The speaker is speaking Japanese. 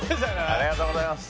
ありがとうございます。